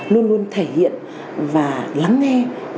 luôn luôn thể hiện và lắng nghe